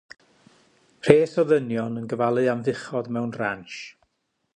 Rhes o ddynion yn gofalu am fuchod mewn ransh.